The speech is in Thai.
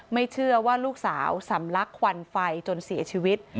ไม่เชื่อว่าลูกสาวสำลักควันไฟจนเสียชีวิต